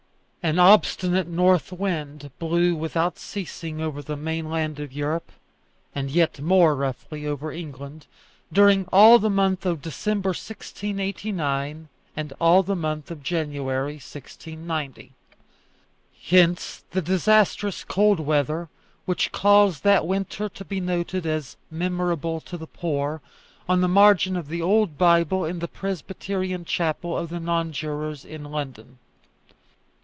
An obstinate north wind blew without ceasing over the mainland of Europe, and yet more roughly over England, during all the month of December, 1689, and all the month of January, 1690. Hence the disastrous cold weather, which caused that winter to be noted as "memorable to the poor," on the margin of the old Bible in the Presbyterian chapel of the Nonjurors in London.